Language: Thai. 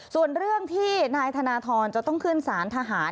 ส่วนเรื่องที่นายธนทรจะต้องขึ้นสารทหาร